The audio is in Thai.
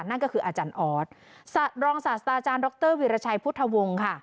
นั่นก็คืออาจารย์ออสรองศาสตราจารย์ดรวีรชัยพุทธวงศ์ค่ะ